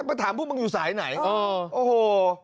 มาถามพวกมึงอยู่สายไหนโอ้โห